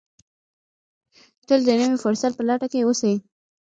تل د نوي فرصت په لټه کې اوسئ.